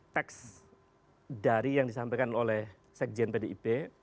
teks dari yang disampaikan oleh sekjen pdip